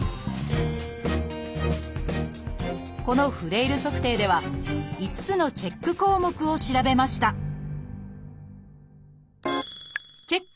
このフレイル測定では５つのチェック項目を調べましたチェック